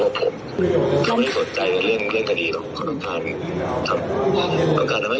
ทำการทำให้เกิดความเสียหาย